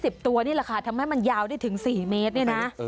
ตัวนี่แหละค่ะทำให้มันยาวได้ถึง๔เมตรเนี่ยนะ